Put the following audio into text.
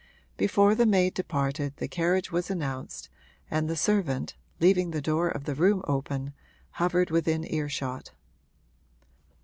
Before the maid departed the carriage was announced, and the servant, leaving the door of the room open, hovered within earshot.